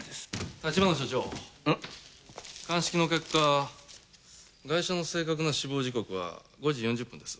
橘署長鑑識の結果ガイシャの正確な死亡時刻は５時４０分です。